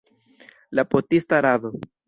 La potista rado.